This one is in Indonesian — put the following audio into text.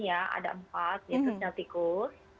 ada empat yaitu senyal tikus